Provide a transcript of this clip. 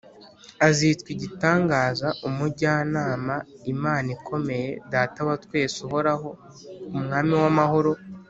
. Azitwa Igitangaza, umujyanama, Imana ikomeye, Data wa twese Uhoraho, Umwami w’amahoro